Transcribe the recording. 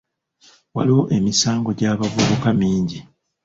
Waliwo emisango gy'abavubuka mingi.